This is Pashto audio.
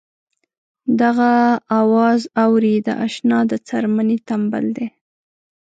دغه اواز اورې د اشنا د څرمنې تمبل دی.